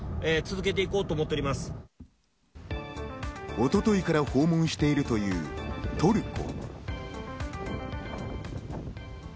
一昨日から訪問しているというトルコ。